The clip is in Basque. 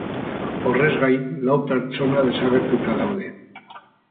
Horrez gain, lau pertsona desagertuta daude.